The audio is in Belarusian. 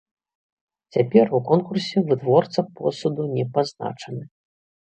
Цяпер у конкурсе вытворца посуду не пазначаны.